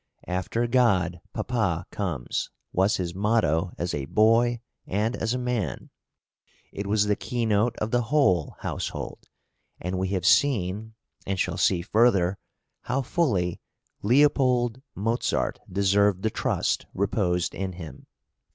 "After God, papa comes," was his motto as a boy and as a man; it was the keynote of the whole household, and we have seen, and shall see further, how fully Leopold Mozart deserved the trust reposed in him.